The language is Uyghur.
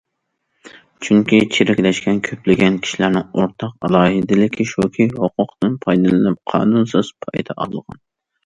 چۈنكى چىرىكلەشكەن كۆپلىگەن كىشىلەرنىڭ ئورتاق ئالاھىدىلىكى شۇكى، ھوقۇقىدىن پايدىلىنىپ قانۇنسىز پايدا ئالغان.